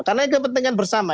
karena ini kepentingan bersama